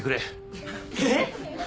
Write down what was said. えっ？